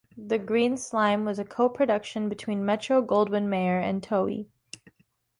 "The Green Slime" was a co-production between Metro-Goldwyn-Mayer and Toei.